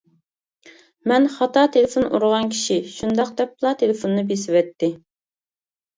مەن خاتا تېلېفون ئۇرغان كىشى شۇنداق دەپلا تېلېفونىنى بېسىۋەتتى.